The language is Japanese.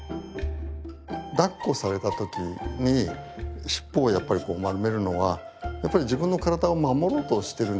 だっこされた時にしっぽをやっぱりこう丸めるのはやっぱり自分の体を守ろうとしてるんじゃないかなと思いますね。